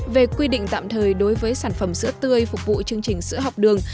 về quy định tạm thời đối với sản phẩm sữa tươi phục vụ chương trình sữa học đường